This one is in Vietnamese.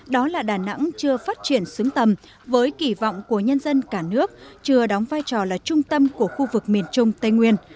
đó là đà nẵng chưa phát triển xứng tầm với kỳ vọng của nhân dân cả nước chưa đóng vai trò là trung tâm của khu vực miền trung tây nguyên